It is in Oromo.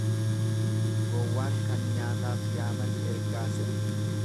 Gowwaan kan nyaataaf yaaman ergaa se'a.